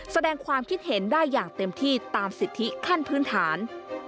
แสดงความคิดเห็นได้อย่างเต็มที่ตามสิทธิขั้นพื้นฐาน